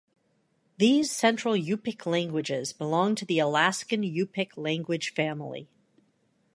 These Central Yupik languages belong to the Alaskan Yupik language family.